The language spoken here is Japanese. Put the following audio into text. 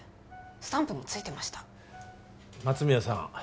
スタンプもついてました松宮さん